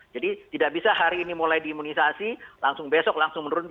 jadi tidak bisa hari ini mulai diimunisasi langsung besok langsung menurun